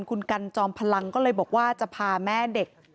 คุณกันจอมพลังก็เลยบอกว่าจะพาแม่เด็ก